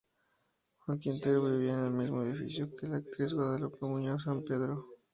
Juan Quintero vivía en el mismo edificio que la actriz Guadalupe Muñoz Sampedro.